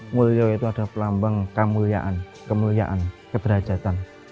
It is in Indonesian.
mulyo itu ada pelambang kemuliaan keberhajatan